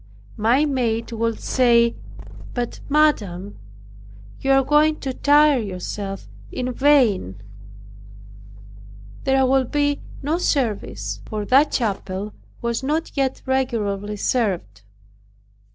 My maid would say, "But, madam, you are going to tire yourself in vain. There will be no service." For that chapel was not yet regularly served.